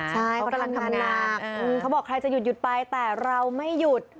ใช่เขากำลังทำงานหนักเขาบอกใครจะหยุดไปแต่เราไม่หยุด